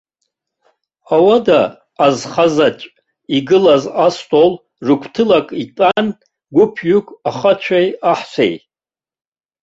Ауада азхазаҿ игылаз астол рыгәҭылак итәан гәыԥҩык ахацәеи аҳәсеи.